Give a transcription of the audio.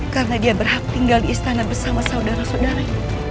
karena dia berhak tinggal di istana bersama saudara saudaranya